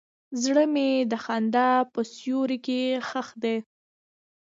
زړه مې د خندا په سیوري کې ښخ دی.